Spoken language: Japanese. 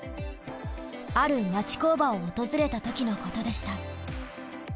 ある町工場を訪れたときのことでした。